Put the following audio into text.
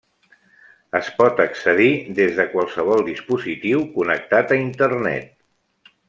Es pot accedir des de qualsevol dispositiu connectat a Internet.